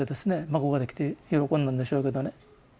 孫ができて喜んだんでしょうけどね。